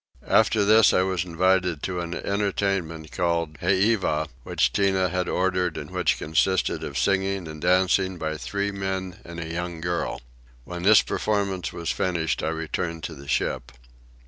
After this I was invited to an entertainment called Heiva, which Tinah had ordered and which consisted of singing and dancing by three men and a young girl. When this performance was finished I returned to the ship.